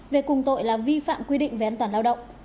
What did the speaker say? về cùng tội là vi phạm quy định về an toàn lao động